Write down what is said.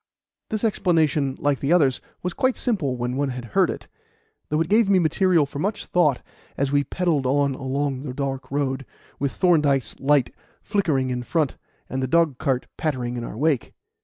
This explanation, like the others, was quite simple when one had heard it, though it gave me material for much thought as we pedalled on along the dark road, with Thorndyke's light flickering in front, and the dogcart pattering in our wake.